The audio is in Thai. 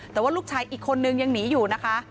แต่ว่าลูกชายอีกคนนึงยังหนีอยู่นะคะ